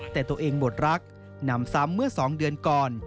แต่ตัวเองหมดรักนำซ้ำเมื่อ๒เดือนก่อน